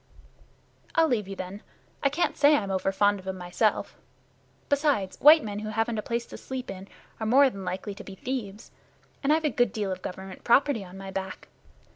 "I'll leave you, then. I can't say I'm over fond of 'em myself. Besides, white men who haven't a place to sleep in are more than likely to be thieves, and I've a good deal of Government property on my back.